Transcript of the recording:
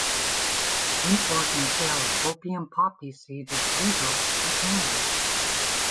The import and sale of opium poppy seeds is legal in Canada.